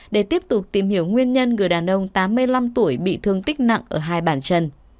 để tiếp tục tìm hiểu nguyên nhân người đàn ông tám mươi năm tuổi bị thương tích nặng ở hai bản chân